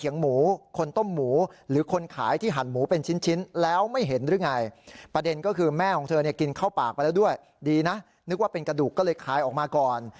นึกว่าเป็นกระดูกก็เลยขายออกมาก่อน